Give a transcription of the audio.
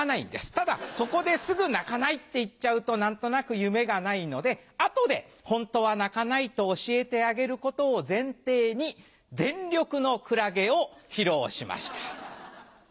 ただそこですぐ「鳴かない」って言っちゃうと何となく夢がないのであとでホントは鳴かないと教えてあげることを前提に全力のクラゲを披露しました。